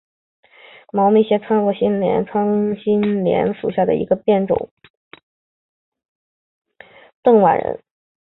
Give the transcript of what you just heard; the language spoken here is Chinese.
邓琬人。